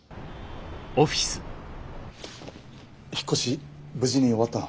引っ越し無事に終わったの？